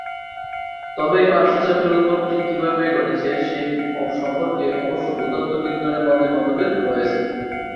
তবে এই পার্শ্ব চাপের উদ্ভব ঠিক কিভাবে ঘটেছে সেই সম্পর্কে অবশ্য ভূ-ত্ত্ববিদগণের মধ্যে মতভেদ রয়েছে।